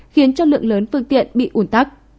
khiến cho lượng lớn phương tiện bị ủn tắc